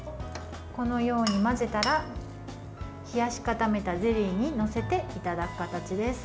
このように混ぜたら冷やし固めたゼリーに載せていただく形です。